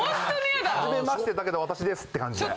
はじめましてだけど私ですって感じで。